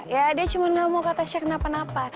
ya dia cuma gak mau kata shag kenapa napa